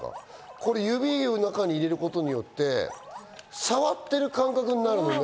これ指を中に入れることによって触ってる感覚になるのね。